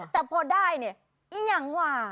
แต่พอได้นี่อย่างหว่า